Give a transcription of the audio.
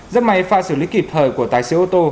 rất may pha xử lý kịp thời của tài xế ô tô